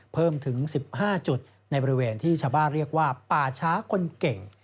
เพิ่มถึง๑๕จุดในบริเวณที่ชาวบ้านเรียกว่าป่าช้าคนเก่ง